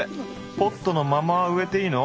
ポットのまま植えていいの？